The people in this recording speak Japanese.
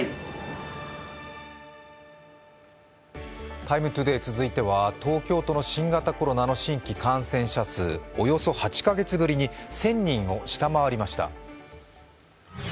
「ＴＩＭＥ，ＴＯＤＡＹ」続いては東京の新型コロナの新規感染者数、およそ８か月ぶりに１０００人を下回りました。